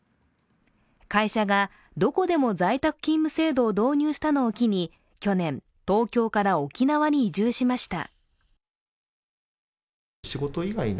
会社がどこでも在宅勤務制度を導入したのを機に去年、東京から沖縄に移住しました。